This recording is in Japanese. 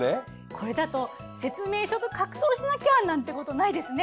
これだと説明書と格闘しなきゃなんてことないですね。